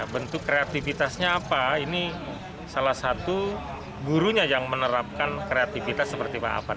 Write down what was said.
bentuk kreativitasnya apa ini salah satu gurunya yang menerapkan kreativitas seperti pak ahmad